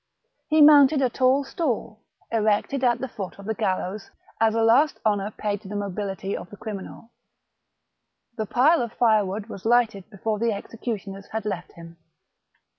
He mounted a tall stool, erected at the foot of the gallows as a last honour paid to the nobiUty of the criminal. The pile of firewood was lighted before the executioners had left him.